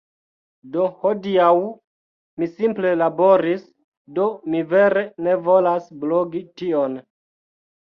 Do hodiaŭ, mi simple laboris, Do mi vere ne volas blogi tion...